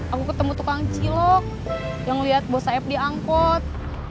aku ketemu tukang cilok yang ngeliat bos saeb diangkot